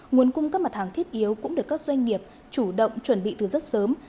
nguồn cung cấp mặt hàng thiết yếu cũng được các doanh nghiệp chủ động chuẩn bị từ rất sớm